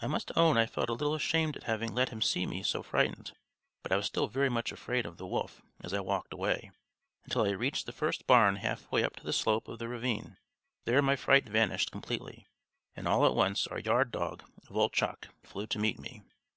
I must own I felt a little ashamed at having let him see me so frightened, but I was still very much afraid of the wolf as I walked away, until I reached the first barn half way up the slope of the ravine; there my fright vanished completely, and all at once our yard dog Voltchok flew to meet me.